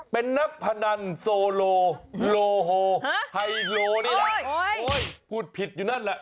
เป็นนักพนันโซโลโลโฮไฮโลนี่แหละพูดผิดอยู่นั่นแหละ